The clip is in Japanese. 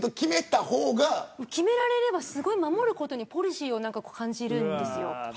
決められれば守ることにポリシーを感じるんです。